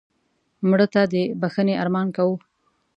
مړه ته د بښنې ارمان کوو